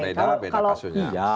beda beda kasusnya